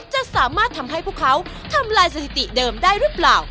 จะสามารถทำให้พวกเขาทำลายสถิติเดิมได้หรือเปล่า